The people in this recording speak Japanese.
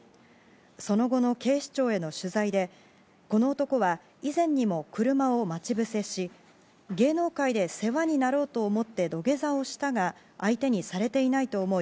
その後の警視庁への取材でこの男は以前にも車を待ち伏せし、芸能界で世話になろうと思って、土下座をしたが、相手にされていないと思い